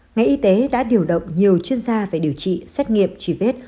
ngày y tế đã điều động nhiều chuyên gia về điều trị xét nghiệm truy vết